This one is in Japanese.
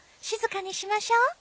静かにしましょう。